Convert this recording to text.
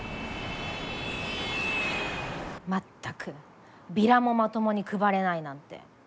全くビラもまともに配れないなんて。